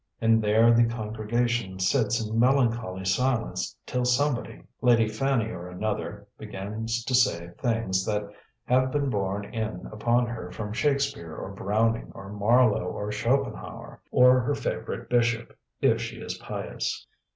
And there the congregation sits in melancholy silence, till somebody, Lady Fanny or another, begins to say things that have been borne in upon her from Shakespeare or Browning, or Marlowe or Schopenhauer; or her favourite bishop, if she is pious.